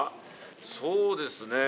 そうですねぇ。